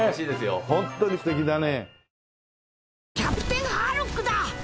ホントに素敵だね。